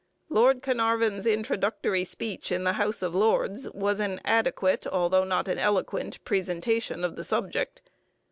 Lord Carnarvon's introductory speech in the House of Lords was an adequate, although not an eloquent, presentation of the subject.